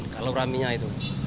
kalau raminya itu